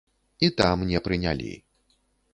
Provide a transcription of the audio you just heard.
І там не прынялі.